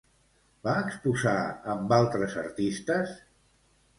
Va exposar amb altres artistes?